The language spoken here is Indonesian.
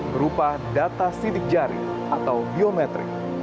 berupa data sidik jari atau biometrik